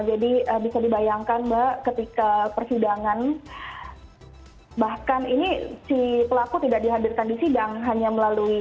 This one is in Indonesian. jadi bisa dibayangkan mbak ketika persidangan bahkan ini si pelaku tidak dihadirkan di sidang hanya melalui telepon ya